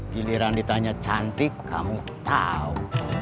giliran ditanya cantik kamu tahu